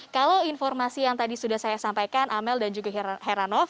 kalau informasi yang tadi sudah saya sampaikan amel dan juga heranov